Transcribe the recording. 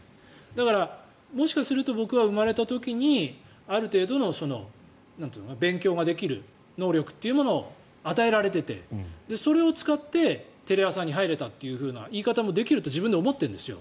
だから、もしかすると僕は生まれた時にある程度の勉強ができる能力というものを与えられていて、それを使ってテレ朝に入れたっていう言い方もできるって自分で思っているんですよ。